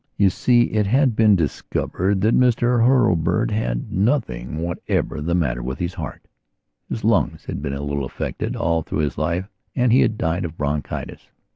You see, it had been discovered that Mr Hurlbird had had nothing whatever the matter with his heart. His lungs had been a little affected all through his life and he had died of bronchitis.